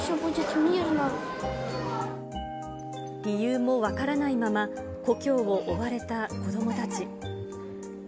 理由も分からないまま、故郷を追われた子どもたち。